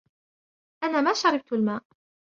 أنا ما شربت الماء.